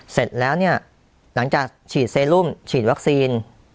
เสร็จแล้วเนี่ยหลังจากฉีดเซรุมฉีดวัคซีน